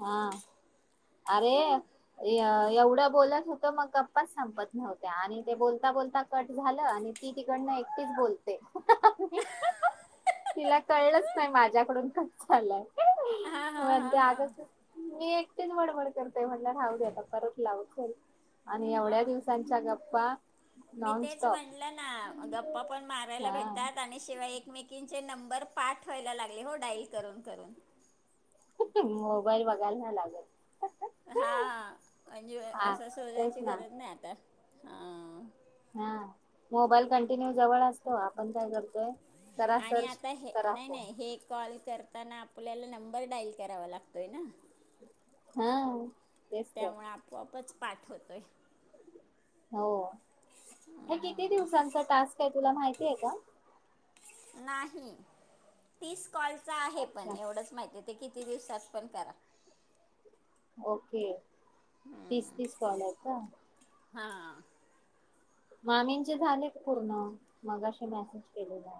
हा अरे एवढ. ढं बोलत होत मग गप्पाच संपत नव्हत्या आणि ते बोलता बोलता कट झालं आणि ती तिकडन एकटीच बोलते तिला कळलंच नाही माझ्याकडून कट झालंय. हा हा हो हा ते हा आग मी एकटीच बडबड करते म्हणलं, राहू द्या आता परत लावू चल. आणि एवढ्या हम्म, दिवसांच्या गप्पा बा मी तेच म्हटलं ना गप्पा पण मारायला हा भेटतात आणि शिवाय एकमेकीं- नंबर पाठ व्हायला लागले हो डाईल करून करून मोबाईल बघायला नाय लागत. हा म्हणजे हा असं तेच शोधायची जायची ना गरज नाही आता हा हा मोबाईल कंटिन्यू जवळ असतो आपण काय करतोय? करा आणि सर्च आता हे करा फोन नाही-नाही हे कॉल करतात त्याने आपल्याला नंबर डाईल करावा लागतोय ना हा तेच तर त्यामुळे आपोआपच पाठवतोय हो हा किती दिवसांचा टास्क आहे? तुला माहिती आहे का? नाही तीस कॉल च आहे पण, अच्छा एवढंच माहिती ते किती दिवसात पण करा ओके. तीस-तीस कॉले का? हा. मामींचे झाले पूर्ण, मगाशी मेसेज केलेला.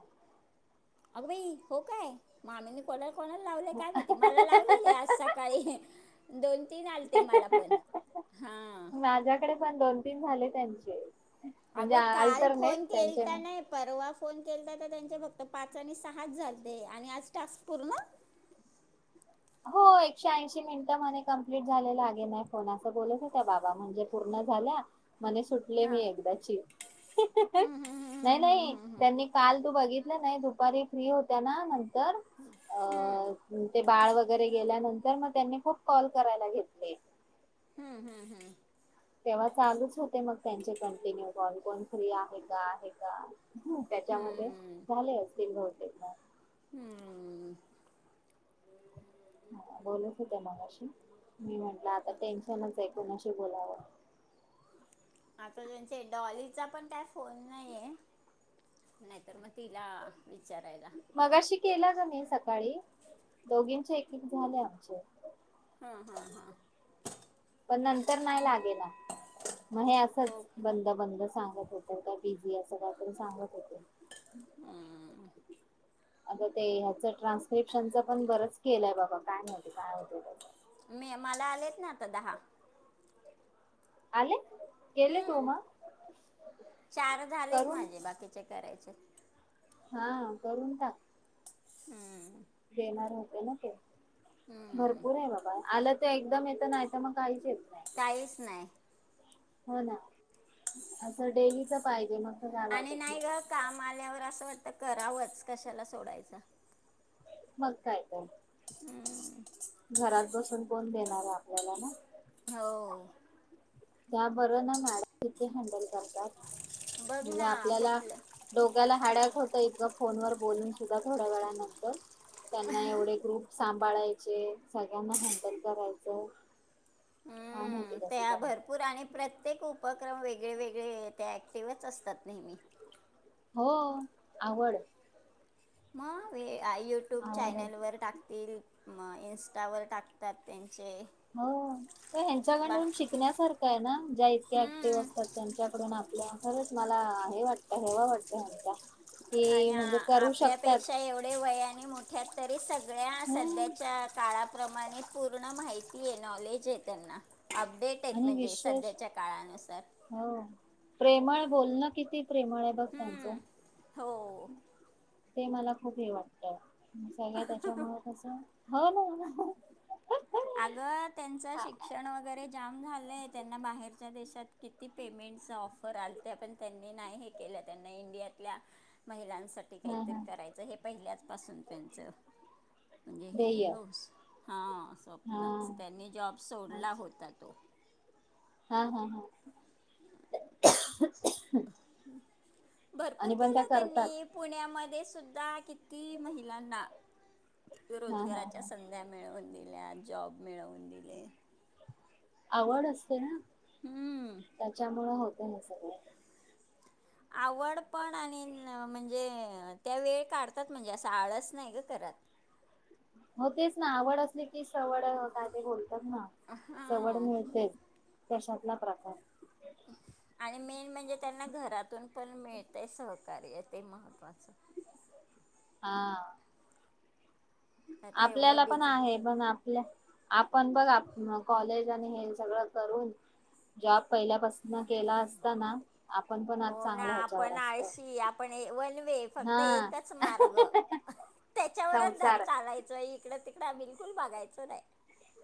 अग बाई हो काय? मामीनी को कोणा लावलंय काय माहिती? मला लावलेले आज सकाळी दोन तीन आलते मला पण हा माझ्याकडे पण दोन तीन झाले त्यांचे. म्हणजे अगं काल अल्टरनेट फोन त्यांचे केलाता नाही, परवा फोन केलता. त्यांचे फक्त पाच आणि सहा झालते आणि आज टास्क पूर्ण. हो एकशे ऐंशी मिनिटं म्हणे कंप्लीट झाले म्हणे लागेना फोन असं बोलत होत्या बाबा म्हणजे पूर्ण झाल्या म्हणे सुटले मी हां एकदाची, हम्म, हम्म, नाही- हम्म, नाही हम्म, हम्म, त्यांनी काल तू बघित नाही नाही दुपारी फ्री होत्या नां तर अ ते बाळ वग घरी गेल्यानंतर मग त्यांनी खूप कॉल करायला घेतले. हम्म- हम्म -हम्म. तेव्हा चालूच होते मग त्यांचे कंटिन्यू कॉल कोन फ्री आहे का? आहे का? ह त्याच्यामध्ये हम्म, झाले असतील बहु हम्म. बोलत होत्या मगशी. मी म्हटलं आता टेन्शनचे कुणाशी बोलाव. आता ज्याचे डॉलीचा पण काय फोन नाहीये नाहीतर म तिला विचारायला. मगाशी केला ग मी सकाळी दोघींचे एक एक झाले आमचे. ह-ह-ह. पण नंतर नाही लागेना म हे हो असच बंद-बंद. सांगत होत काय बिझी असं काहीतरी सांगत होते. आता ते ह्याच ट्रान्स्क्रिप्शनच पण बरंच केलंय बाबा काय माहिती काय होतय त्याच. मी मला आलेत ना आता दहा. आले. गेले तू हम्म मग चार झालेत, करून माझे बाकीचे करायचे. हा करून टाक. हम्म. देणार होते ना ते हम्म, भरपूर आहे बाबा, आलं ते एकदम येत, नाही तर मग काहीच येत नाही काहीच नाही. हो ना असं डेलीच पाहिजे मग. तर काय आणि वाटत नाही ग काम आल्यावर असं होत तर करावंच कशाला सोडायचं. मग काय तर. हम्. घरात बसून कोण देणार आहे आपल्याला ना. हो. त्या बर ना मॅडम किती हॅडल करतात. बघ म्हणजे ना आपल्याला कुठलं डोक्याला हाड्याक होत. इतक फोन वर बोलून सुद्धा थोड्या वेळानंतर. त्यांना एवढे ग्रुप स बाासांभाळायचं. सगळ्यांना हॅण्डल करायचं काय माहिती हम्म कसं त्या जमतं भरपूर आणि प्रत्येक उप क्रम वेगळे वेगळे ते ऍक्टिव्हच असतात नेहमी. हो आवड. [unintelligible] त्या यूट्यूब आवड आहे चॅनलवर टाकतील. मग इन्स्टावर टाकतात त्यां हो बा ह्यांच्याकडून शिकण्यासारखा आहे ना? ज्या इतक्या ऍक्टिव्ह हम्म, असतात त्यांच्याकडून आपल्या खरंच मला हे वाटतं हेवा वाटतो ह्यांचा. कि आया म्हणजे करू शकतात आपल्यापेक्षा एवढे वयाने मोठे आहेत. तरी स गळ्या हम्म सध्याच्या काळा प्रमाणे पूर्ण माहिती आहे, नॉलेज आहे त्यांना. अपडेट आहेत आणि म्हणजे विशेष सध्याच्या काळानुसार. हो. प्रेमळ बोलणं किती प्रेमळ आहे बघ हम्म, त्यांचं. हो ते मला खूप हे वाटतं. सगळ्या त्याच्यामुळे कसं हो ना. अग त्यांच शिक्षण वगैरे जाम झालंय, त्यांना बाहेरच्या देशात - देश्यात त्यात किती पेमेंटच ऑफर आलत पण त्यांनी नाही हे केल्या त्यांना इंडियातल्या महिलां! साठी हा काहीतरी हा करायचं हे पहिल्याच पाासून त्यांच म्हणजे हे ध्येय हो हा स्वप! हा नच त्यांनी जॉब सोडला अच्छा. होता तो हा हा हा. भरपूर आणि पण त्या केलय करतात त्यांनी पुण्यामध्येस सुद्धा किती महिलांना हा हा रोजगाराच्या हा संध्या मिळवून दिल्यात. जॉब मिळवून दिलेत. आवड असते न त्याच्यामुळ हो [unintelligible] आवड पण आणि न म्हणजे त्या वेळ काढतात, म्हणजे असं आळस नाही ग करत. हो तेच ना आवड असली सवड अ काय ते बोल तर ना सवड हां मिळतेच कशातला प्रकार आणि मेन म्हणजे त्यांना घरातून पण मिळतय सहकार्य ते महत्त्वाचय आ नाही तर आपल्याला एवढं पण बिझी आहे पण आपल्या आपण बघ आप कॉलेज आणि हे सगळं करून जॉब पहिल्यापासन केला असताना आपण पण आज हो ना चांगलं ह्याच्यावर आपण असतो. आळशी [unintelligible] फक्त हा एकच मार्ग त्याच्यावरच [unintelligible] दर संसार चालायच इकडं तिकड बिलकुल बघायचं नाही.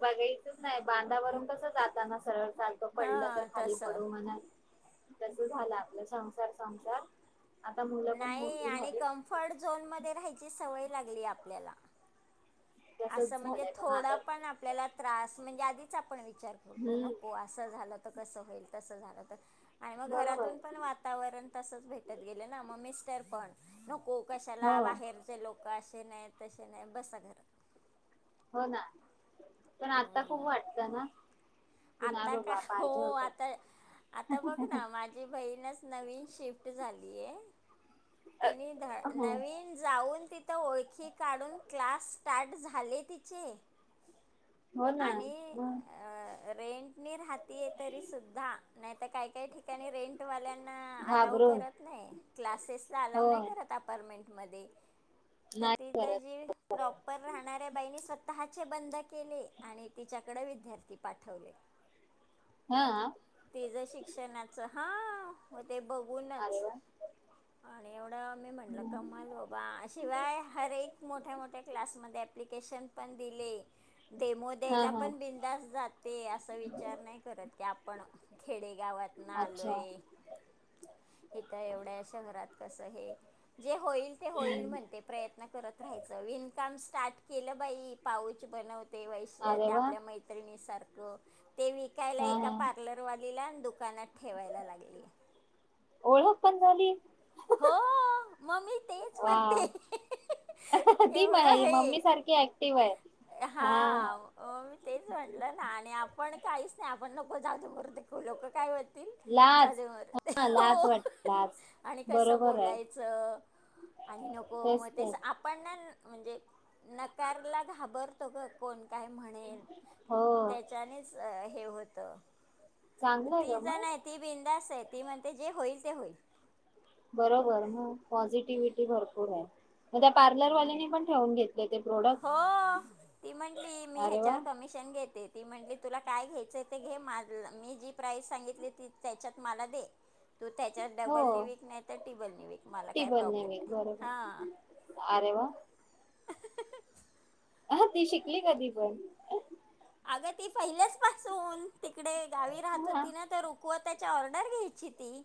बघायचच नाही बांधावरून कसं जाताना सरळ चालतो पडलं तर हां खाली तसं पडो म्हण तस झालं आपला संसार संसार आता मुलं पण नाही मोठी आणि झाली कम्फर्ट झोन मध्ये राहायची सवय लागलीय आपल्याला आसं तसच म्हणजे झालंय पण थोड आता पण आपल्याला त्रास म्हणजे आधीच आपण विचार करतो हम्म नको आसं झालं तर कस होईल तसं झालं [unintelligible] आणि मग बरोबर घरातून पण वातावरण तसच भेटत गेलं ना मग मी तर पण हो हो कशाला बाहेरचे लोक अस हे नाही तशे नाही बसा घरा हो ना पण आता खूप वाटत ना की नाही आता का बाबा हो पाहिजे होत आता आता बघ ना माझी बहीणच नवीन शिफ्ट झालीय तिनी ध हो नवीन जाऊन ति त ओळखी काढून क्लास स्टार्ट झाले तिचे हो ना, आणि मग. रेंटनी राहते आहे तरी सुुद्धा. नाही तर काही-काही ठिकाणी रेंटवाल्यांना अलाव घाबरून करत नाही, क्लासेसला अलाव हो नाही करत अपारमेंट. मध्ये. तर नाही तिथ जी प्रॉपर राहणाऱ्या बाईणी स्वतःच्या बंद केले आणि तिच्याकड विद्यार्थी. पाठवले. हा तिज शिक्षणाचं हां मग ते बघूनच अरे वा आणि एवढं मी म्हणलं कमाल बाबा, शिवाय हर एक मोठ्या-मोठ्या क्लासमध्ये ॲप्लिकेशन पण दिले. तेमो हा द्यायला हा पण बिंदास जात. ते असा विचार नाही करत की आपण खेडेगावातनं अच्छा आलोय इथं एवढ्या शहरात कस हे, जे होईल ते होईल म्हणते प्रयत्न करत राहायच विनकाम स्टार्ट. केलं बाई पाऊच बनवत. ते वैशा अरे वा आपल्या मैत्रिणी सारख ते. हो. ते विकायला हा एका हा पार्लरवालीला दु दुकानात. ठेवायला लागली. ओळख पण झाली. हो मग मी तेच वा म्हणते ती एवढं मम्मी हे सारखी ऍक्टिव्ह आहे. हा, मी तेच म्हटलं ना, आणि आपण काहीच नाही आ आपण नको जाउदे-मरुदे. लोक काय म्हणतील. लाज जाउदे-मरुदे हा लाज हो वाट लाज आणि कस बरोबर आहे बोलायचं आणि नको मग तेच आपण ना. म्हणजे नकारला घाबर घाबरतो ग कोण काय म्हणेल हो त्याच्यानेच हे होत. चांगलं आहे ती ग ज मग नाही ती बिंदास आहे. ती म्हणते जे होईल ते होईल. बरोबर ना, पॉझिटिव्हटी भरपूर आहे. मग त्या हम्म. पार्लरवाल्यानी पण ठेवून घेतले ते हो प्रोडक्ट? ती म्हंटली मी अरे वा! ह्याच्यावर कमिशन घेते ती म्हटली तुला काय घ्यायचंय ते घे. मा मी जी प्राईस सांगितली ती त्याच्यात मला दे. तू त्याच्यात हो डब्बल नि वीक नाही तर टिब्बल ने विक मला काही प्रॉब्लेम नाही. हा. आरे वा! ! हा ती शिकली कधी पण अगं ते पहिल्याच पाासून तिकडे गावी राहत हा होती ना ते रुकवत त्याच्या ऑर्डर घ्यायची ती.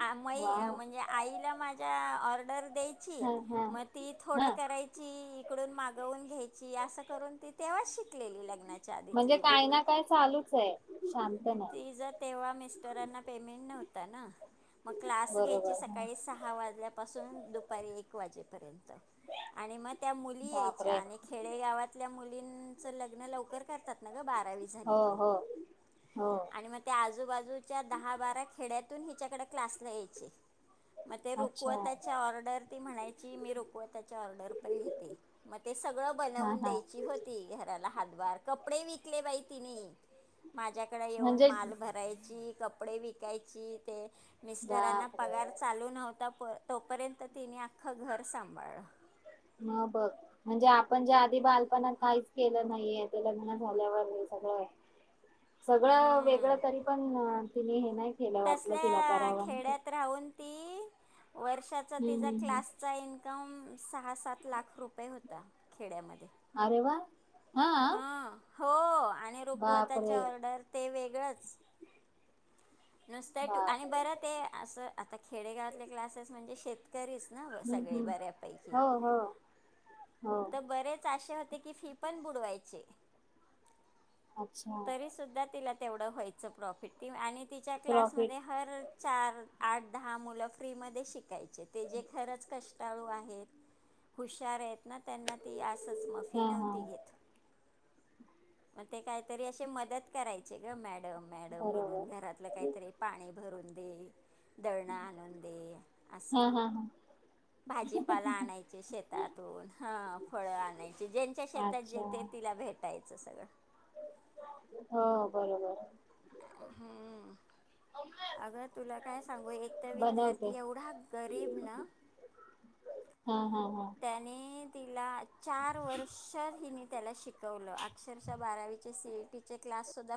आ वा मइ म्हणजे आईला माझ्या [inaudible] द्यायची हा हा मग ती थोड हा करायची इकडून मागवून घ्यायची. असं करून ती तेव्हाच शिकलेली. लग्नाच्या म्हणजे काही ना काय चालूच आहे. शांत नाही ती जर तेव्हा मिस्टरांना पेमेंट नव्हती [inaudible] मग क्लास बरोबर घ्यायची ह सकाळी सहा वाजल्यापासून दुपारी एक वाजेपर्यंत आणि मग त्या मुली यायच्या बापरे आणि खेडेगावातल्या मुलींचं लग्न लवकर करतात ना ग बारावी झाली हो की. हो हो आणि मग ते आज [unintelligible] दहा बारा खेड्यातून हिच्याकडे क्लासला यायचे मग ते अच्छा रुकवताच्या ऑर्डर ती म्हणायची मी रुकवताची ऑर्डर पण घेते मग ते सगळ हा बनवून हा द्यायची होती घराला हातभार कपडे व बाय तिनी माझ्या इकडे येऊन म्हणजे माल भरायची, कपडे विकायची ते मिस्टरांना बापरे पगार चालू नव्हता तोपर्यंत तिने आख्खं घर सांभाळलं. ह बघ म्हणजे आपण जे आधी बालपणात काहीच केलं नाहीे ते लग्न झाल्यावर सगळं सगळं वेगळं हम्म तरी पण. ति हे नाही केलं वाटलं तिला तसल्या करावं हम्म खेड्यात राहून ती वर्षाचा तिचा हम्म हम्म क्लासचा इन्कम सहा सात लाख रुपये होता खेड्यामध्ये अरे वा हा हो आणि रुकवताचे बापरे ऑर्डर ते वेगलीच बरच नुसत आणि बापरे बर ते असं आता खेडेगावातले क्लासेस म्हणजे शेतकरीच ना हम्म सगळे हम्म बऱ्यापैकी हो हो हो तर बरेच असे होते की फी पण बुडवायचे अच्छा तरी सुुद्धा तिला तेवढं व्हायचं प्रॉफिट ती आणि तिच्या प्रॉफिट क्लासमध्ये हर चार आठ दहा मुलं फ्रीमध्ये शिकाय ची ते जे खरंच कष्टाळू आ हेत हुशार आहेत. त्यांना त्यांना ते आसचं मफी हा हा नव्हती घेत. मग ते काहीतरी असे मदत करायचे ग मॅ डम मॅडम बरोबर म्हणून घरातलं काहीतरी पाणी भरून दे दळणं आणून दे असं हा हा भाजीपाला आणायची शेतातून हा फळं आणायची ज्यांच्या हा शेतात अच्छा जे ते तिला भेटा यचं सगळं. हो बरोबर आहे. हम्म अग तुला काय सांगू एक तर बनवते विद्यार्थी एवढा गरीब ना हा हा हा त्याने तिला चार वर्ष हिनी त्याला शिकवलं अक्षरशः बारावीचे सी. ई. टी. चे क्लास सुद्धा